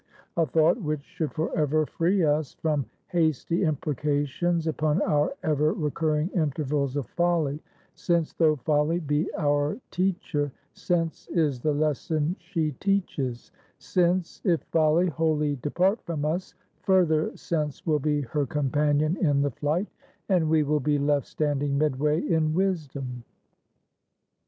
A thought which should forever free us from hasty imprecations upon our ever recurring intervals of Folly; since though Folly be our teacher, Sense is the lesson she teaches; since if Folly wholly depart from us, Further Sense will be her companion in the flight, and we will be left standing midway in wisdom.